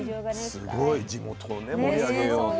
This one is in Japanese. すごい地元を盛り上げようと。